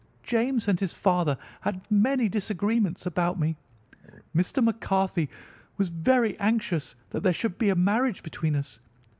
James and his father had many disagreements about me. Mr. McCarthy was very anxious that there should be a marriage between us.